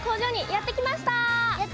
やってきました！